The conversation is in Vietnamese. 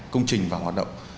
công trình vào hoạt động